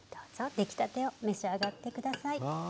出来たてを召し上がって下さい。